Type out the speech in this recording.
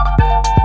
kau mau kemana